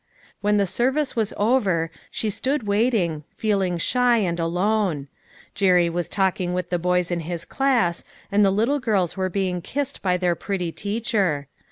When the service was over, she stood waiting, feeling shy and alone. Jerry was talking with the boys in his class, and the little girls were being kissed by their pretty teacher.